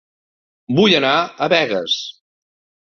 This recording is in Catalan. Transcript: Vull anar a Begues